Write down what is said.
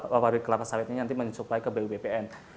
pabrik kelapa sawitnya nanti mensuplai ke bubpn